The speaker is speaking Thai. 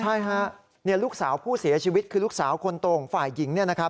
ใช่ครับลูกสาวผู้เสียชีวิตคือลูกสาวคนตรงฝ่ายหญิง